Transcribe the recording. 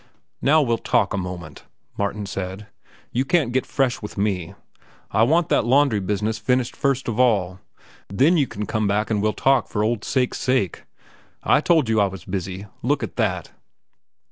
"Now we'll talk a moment," Martin said. "You can't get fresh with me. I want that laundry business finished first of all. Then you can come back and we'll talk for old sake's sake. I told you I was busy. Look at that."